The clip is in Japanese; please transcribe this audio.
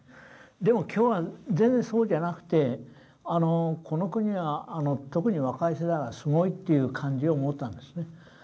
でも今日は全然そうじゃなくてこの国は特に若い世代はすごいという感じを持ったんですね。